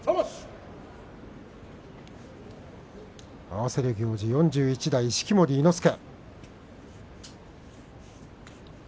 合わせる行司は４１代式守伊之助。